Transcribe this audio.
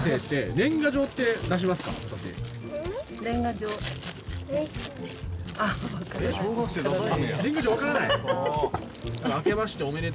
年賀状わからない！？